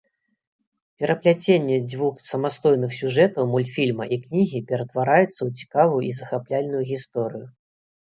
Перапляценне двух самастойных сюжэтаў мультфільма і кнігі ператвараецца ў цікавую і захапляльную гісторыю.